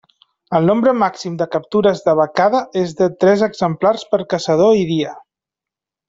El nombre màxim de captures de becada és de tres exemplars per caçador i dia.